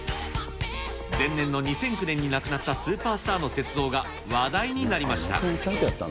前年の２００９年に亡くなったスーパースターの雪像が、話題になりました。